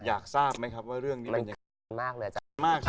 อยากทราบไหมครับว่าเรื่องนี้เป็นยังไง